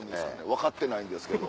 分かってないんですけど。